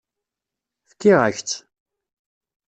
Fkiɣ-ak-tt.